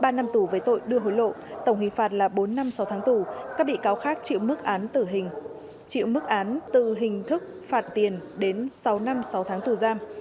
ba năm tù về tội đưa hối lộ tổng hình phạt là bốn năm sáu tháng tù các bị cáo khác chịu mức án từ hình thức phạt tiền đến sáu năm sáu tháng tù giam